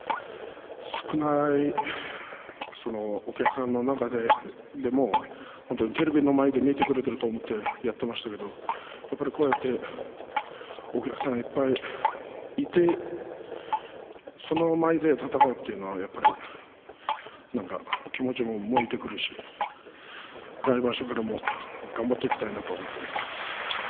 少ないお客さんの中でもテレビの前で見てくれていると思ってやっていましたけどやっぱりこうやってお客さんがいっぱいいてその前で戦うというのはやっぱりなんか気持ちも燃えてくるし来場所からも頑張っていきたいなと思っています。